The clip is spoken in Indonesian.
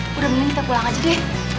udah mending kita pulang aja deh